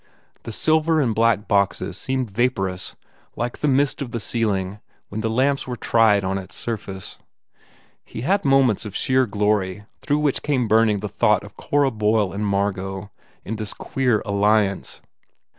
The silver and black boxes seemed vap orous like the mist of the ceiling when the lamps were tried on its surface. He had moments of sheer glory through which came burning the thought of Cora Boyle and Margot, in this queer alliance.